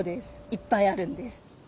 いっぱいあるんです。